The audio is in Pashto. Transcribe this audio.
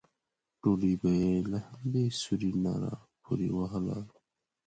ډوډۍ به یې له همدې سوري نه راپورې وهله.